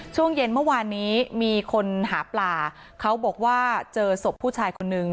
ช่วงเย็นเมื่อวานนี้มีคนหาปลาเขาบอกว่าเจอศพผู้ชายคนนึง